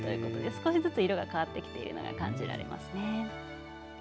少しずつ色が変わっているのが感じられますね。